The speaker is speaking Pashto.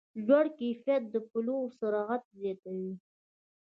لوړ کیفیت د پلور سرعت زیاتوي.